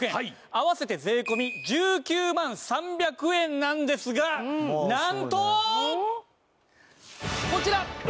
合わせて税込１９万３００円なんですがなんとこちら！